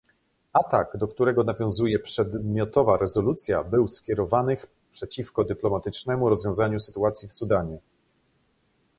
Atak, do którego nawiązuje przedmiotowa rezolucja, był skierowanych przeciwko dyplomatycznemu rozwiązaniu sytuacji w Sudanie